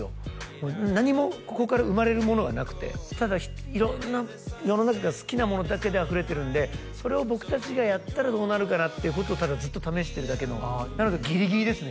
もう何もここから生まれるものがなくてただ色んな世の中が好きなものだけであふれてるんでそれを僕達がやったらどうなるかなっていうことをただずっと試してるだけのなのでギリギリですね